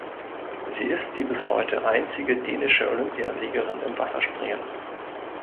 Sie ist die bis heute einzige dänische Olympiasiegerin im Wasserspringen.